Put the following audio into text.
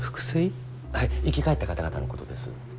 生き返った方々のことです。